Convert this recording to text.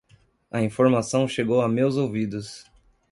A informação chegou a meus ouvidos